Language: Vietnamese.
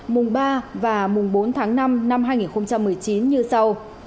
mùng ba và mùng bốn tháng năm năm hai nghìn một mươi chín như sau